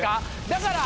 だから。